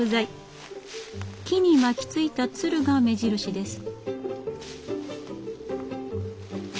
木に巻きついたツルが目印です。